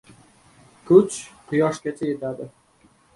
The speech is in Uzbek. • Kuch quyoshgacha yetadi.